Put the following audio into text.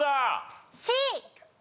Ｃ。